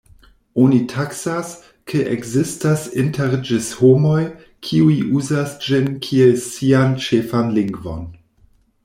Oni taksas, ke ekzistas inter ĝis homoj, kiuj uzas ĝin kiel sian ĉefan lingvon.